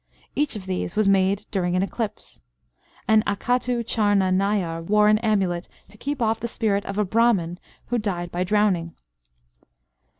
Each of these was made during an eclipse. An Akattu Charna Nayar wore an amulet, to keep off the spirit of a Brahman who died by drowning."